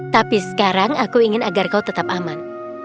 tapi sekarang aku ingin agar kau tetap aman